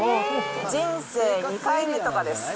人生２回目とかです。